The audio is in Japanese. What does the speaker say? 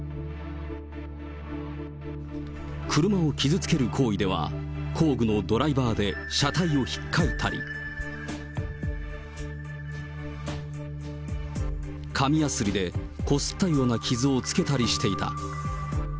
車を傷つける行為では、工具のドライバーで車体を引っかいたり、紙やすりでこすったような傷をつけたりしていた。